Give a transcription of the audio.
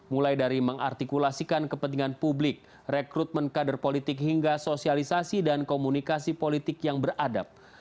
mulai dari mengartikulasikan kepentingan publik rekrutmen kader politik hingga sosialisasi dan komunikasi politik yang beradab